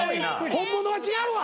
本物は違うわ。